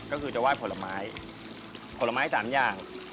ก็คือจะไหว้ผลไม้ผลไม้๓อย่าง